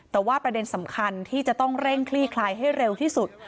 แต่ว่าประเด็นสำคัญที่จะต้องเร่งคลี่คลายให้เร็วที่สุด